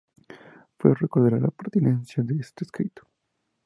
Freud reconocerá la pertinencia de este escrito.